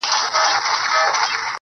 ښه خلک زړونه روښانوي.